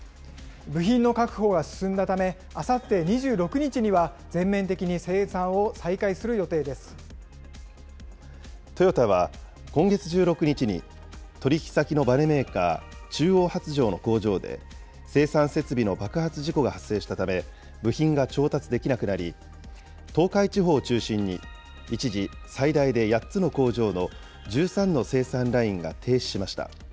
部品の確保が進んだため、あさって２６日には全面的に生産をトヨタは今月１６日に、取り引き先のばねメーカー、中央発條の工場で生産設備の爆発事故が発生したため、部品が調達できなくなり、東海地方を中心に一時、最大で８つの工場の１３の生産ラインが停止しました。